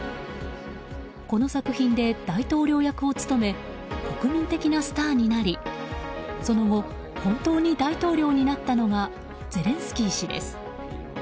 この作品で大統領役を務め国民的なスターになりその後本当に大統領になったのがゼレンスキー氏です。